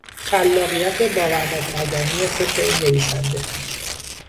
خلاقیت باور نکردنی فکر این نویسنده